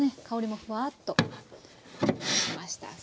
香りもふわっとしました。